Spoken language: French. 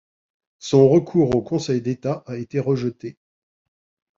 Son recours au Conseil d'État a été rejeté.